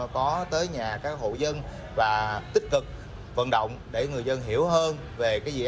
có bốn trăm hai mươi sáu hộ dân bị ảnh hưởng